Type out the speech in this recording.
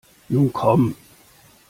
Nun komm!